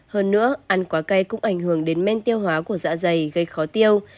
hơn nữa ăn quá cây cũng ảnh hưởng đến men tiêu hóa của dạ dày gây khó tiêu